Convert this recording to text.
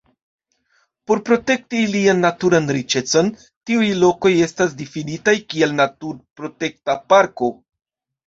Por protekti ilian naturan riĉecon tiuj lokoj estas difinitaj kiel naturprotekta parko.